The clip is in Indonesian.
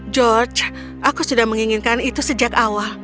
george aku sudah menginginkan itu sejak awal